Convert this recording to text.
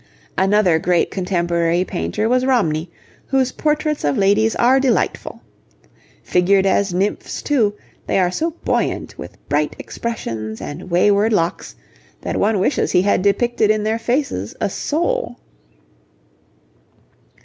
Another great contemporary painter was Romney, whose portraits of ladies are delightful. Figured as nymphs too, they are so buoyant with bright expressions and wayward locks, that one wishes he had depicted in their faces a soul.